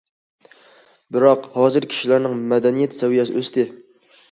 بىراق ھازىر كىشىلەرنىڭ مەدەنىيەت سەۋىيەسى ئۆستى.